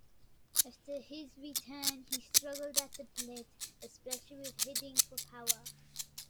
After his return, he struggled at the plate, especially with hitting for power.